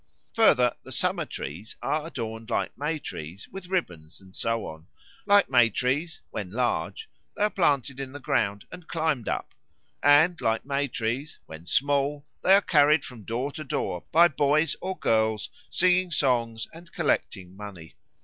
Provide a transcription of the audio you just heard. Further, the Summer trees are adorned like May trees with ribbons and so on; like May trees, when large, they are planted in the ground and climbed up; and like May trees, when small, they are carried from door to door by boys or girls singing songs and collecting money.